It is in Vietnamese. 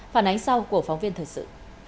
phản ánh sau của phóng viên thời sự